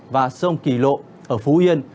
và sông kỳ lộ ở phú yên